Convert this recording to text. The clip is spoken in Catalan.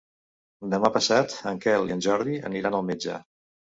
Demà passat en Quel i en Jordi aniran al metge.